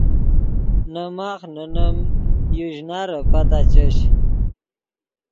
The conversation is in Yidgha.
نے ماخ نے نیم یو ژینارے پتا چش